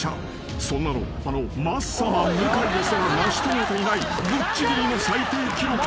［そんなのあのマッサマン向井ですら成し遂げていないぶっちぎりの最低記録となってしまう］